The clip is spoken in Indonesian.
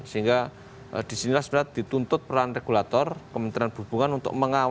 sehingga disinilah sebenarnya dituntut peran regulator kementerian perhubungan untuk mengawal